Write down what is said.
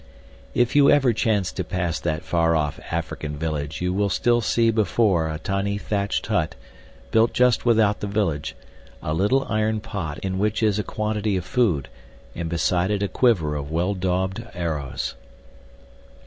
If you ever chance to pass that far off African village you will still see before a tiny thatched hut, built just without the village, a little iron pot in which is a quantity of food, and beside it a quiver of well daubed arrows.